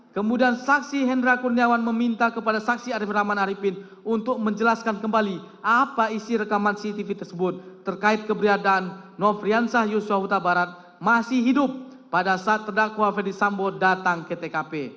kemudian saksi hendra kurniawan meminta kepada saksi arief rahman arifin untuk menjelaskan kembali apa isi rekaman cctv tersebut terkait keberadaan nofriansah yusua huta barat masih hidup pada saat terdakwa ferdisambo datang ke tkp